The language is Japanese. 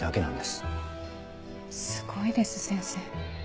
すごいです先生。